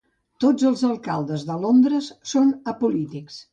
Tots els alcaldes de Londres són apolítics.